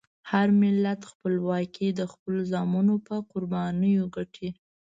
هر ملت خپلواکي د خپلو زامنو په قربانیو ګټي.